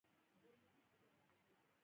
د دې سبب شو چې یو واسطه رامنځته شي.